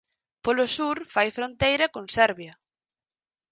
Polo sur fai fronteira con Serbia.